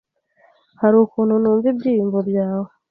Hari ukuntu numva ibyiyumvo byawe.